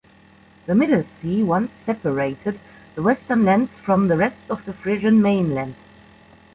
The Middlesee once separated the western lands from the rest of the Frisian mainland.